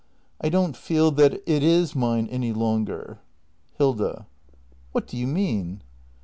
I don't feel that it is mine any longer. Hilda. What do you mean